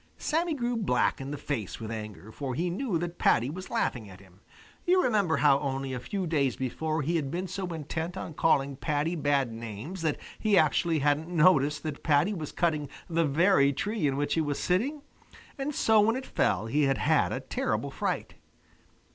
Sammy grew black in the face with anger, for he knew that Paddy was laughing at him. You remember how only a few days before he had been so intent on calling Paddy bad names that he actually hadn't noticed that Paddy was cutting the very tree in which he was sitting, and so when it fell he had had a terrible fright.